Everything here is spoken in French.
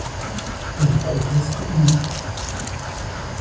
Elle y progresse rapidement.